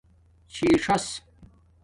چھی ڞاس